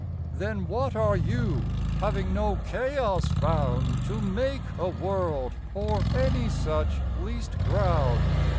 Then what are You, having no Chaos found To make a World, or any such least ground?